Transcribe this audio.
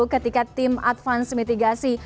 ketika tim advance mitigasi